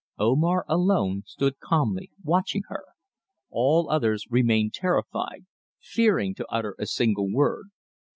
Omar alone stood calmly watching her; all others remained terrified, fearing to utter a single word.